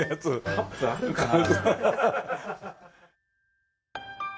カップあるかな？